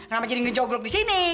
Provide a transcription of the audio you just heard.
namanya jadi ngejoglok di sini